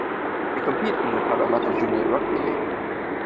They compete in the Parramatta Junior Rugby League.